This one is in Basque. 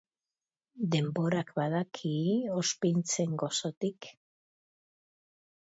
Denborak badaki ozpintzen gozotik.